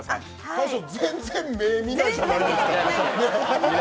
大将、全然、目、見ないじゃないですか。